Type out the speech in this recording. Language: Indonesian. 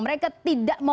mereka tidak mau